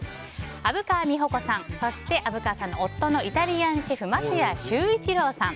虻川美穂子さんそして虻川さんの夫のイタリアンシェフ桝谷周一郎さん